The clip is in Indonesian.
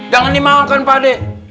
jangan dimakan pak d